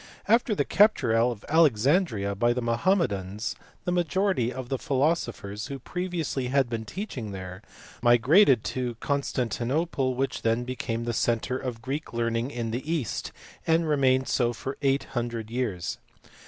After the capture of Alexandria by the Mahommedans the majority of the philosophers, who previously had been teaching there, migrated to Constantinople which then became the centre of Greek learning in the East arid remained so for 800 years.